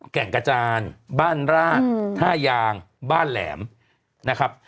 แก่งกระจานบ้านราชท่ายางบ้านแหลมนะครับ